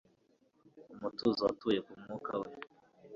Umutuzo watuye ku mwuka we